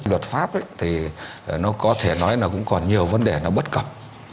luật pháp thì nó có thể nói là cũng còn nhiều vấn đề nó bất cập